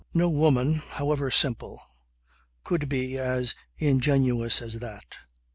No woman, however simple, could be as ingenuous as that.